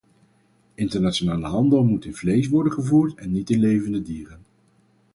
Internationale handel moet in vlees worden gevoerd en niet in levende dieren.